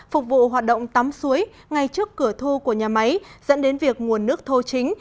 phục vụ hoạt động tắm suối ngay trước cửa thu của nhà máy dẫn đến việc nguồn nước thô chính